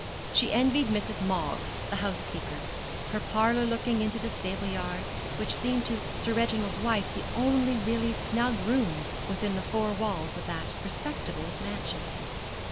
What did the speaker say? She envied Mrs. Moggs, the housekeeper, her parlour looking into the stable yard, which seemed to Sir Reginald's wife the only really snug room within the four walls of that respectable mansion.